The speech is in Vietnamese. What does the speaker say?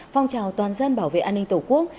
phong trào toàn dân bảo vệ an ninh tổ quốc